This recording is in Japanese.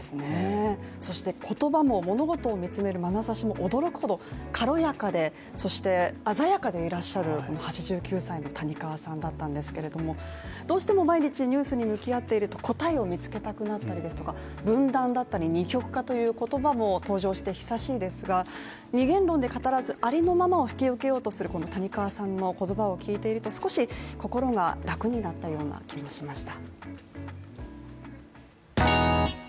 そして言葉も物事を見つめる眼差しも驚くほど軽やかで、そして鮮やかでらっしゃる８９歳の谷川さんだったんですけれどもどうしても毎日ニュースに向き合っていると答えを見つけたくなったりですとか、分断だったり二極化という言葉も登場して久しいですが、二元論で語らず、ありのままを受けようとするこの谷川さんの言葉を聞いていると少し心が楽になったような気がしました。